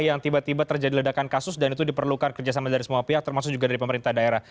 yang tiba tiba terjadi ledakan kasus dan itu diperlukan kerjasama dari semua pihak termasuk juga dari pemerintah daerah